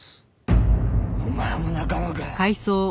お前も仲間か？